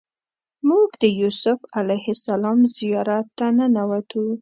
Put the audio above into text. موږ د یوسف علیه السلام زیارت ته ننوتو.